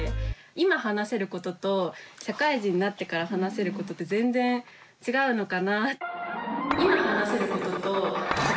今話せることと社会人になってから話せることって全然違うのかな。